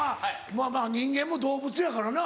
まぁまぁ人間も動物やからな。